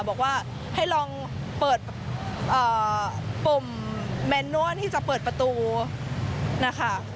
บอกว่าให้ลองเปิดปมแมนโน่นที่จะเปิดประตูนะคะ